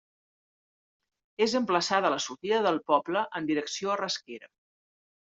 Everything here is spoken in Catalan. És emplaçada a la sortida del poble en direcció a Rasquera.